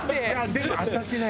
でも私ね